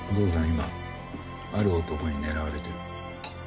今ある男に狙われてる。